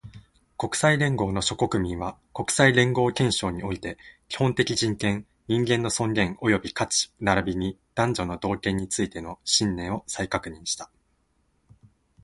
国際連合の諸国民は、国際連合憲章において、基本的人権、人間の尊厳及び価値並びに男女の同権についての信念を再確認した